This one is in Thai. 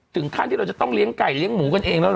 ถึงขั้นที่เราจะต้องเลี้ยงไก่เลี้ยหมูกันเองแล้ว